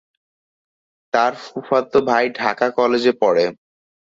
তার ফুফাতো ভাই ঢাকা কলেজে পড়ে।